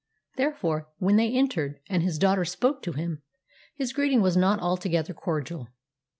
Therefore, when they entered, and his daughter spoke to him; his greeting was not altogether cordial.